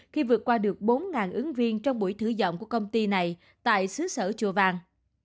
khi vượt qua được bốn ứng viên trong buổi thử giọng của công ty này tại xứ sở chùa vàng